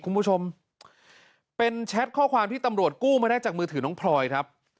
คุณผู้ชมเป็นแชทข้อความที่ตำรวจกู้มาได้จากมือถือน้องพลอยครับ